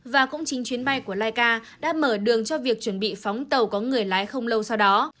và cũng chính chuyến bay của laika đã mở đường cho việc chuẩn bị phóng tàu có người lái không lâu sau đó